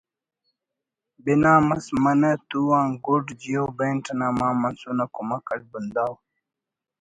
بنا مس منہ تُو آن گُڈ جیو بینٹ انا مان منصور نا کمک اٹ بنداو